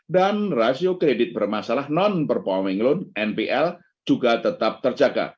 rasio kredit bermasalah non performing loan npl juga tetap terjaga